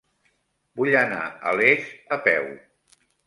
Vull anar a Les a peu.